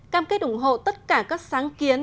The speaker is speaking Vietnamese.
cam kết ủng hộ tất cả các sáng kiến